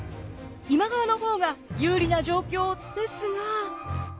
今川の方が有利な状況ですが。